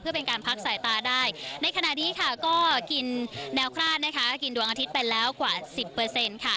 เพื่อเป็นการพักสายตาได้ในขณะนี้ค่ะก็กินแนวคลาดนะคะกินดวงอาทิตย์ไปแล้วกว่าสิบเปอร์เซ็นต์ค่ะ